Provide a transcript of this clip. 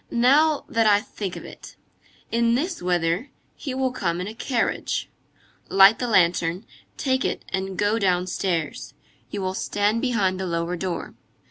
Now that I think of it. In this weather, he will come in a carriage. Light the lantern, take it and go downstairs. You will stand behind the lower door.